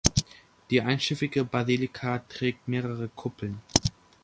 Die einschiffige Basilika trägt mehrere Kuppeln.